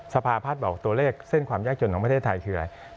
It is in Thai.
สภาพัฒน์บอกตัวเลขเส้นความยากจนของประเทศไทยคืออะไร